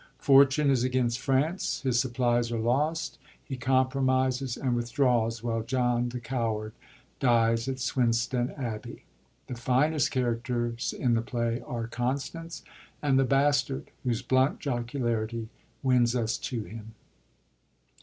Fortune is against France ; his supplies are lost; he compromises and withdraws, while John, the coward, dies at Swinstead Abbey. The finest charac ters in the play are Constance, and the Bastard, whose blunt jocularity wins us to him.